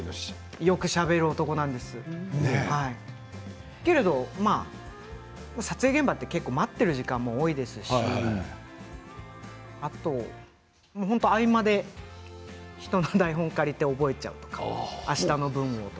よくしゃべる男なんですけど撮影現場は待っている時間も多いですし、合間で人の台本を借りて覚えてしまったりとかあしたの分とか。